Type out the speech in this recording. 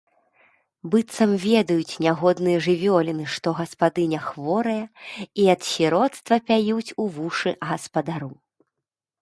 Быццам ведаюць нягодныя жывёліны, што гаспадыня хворая, і ад сіроцтва пяюць у вушы гаспадару.